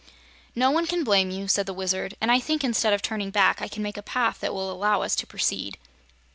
"No one can blame you," said the Wizard, "and I think, instead of turning back, I can make a path that will allow us to proceed."